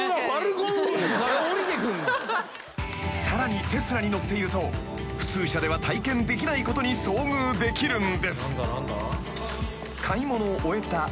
［さらにテスラに乗っていると普通車では体験できないことに遭遇できるんです］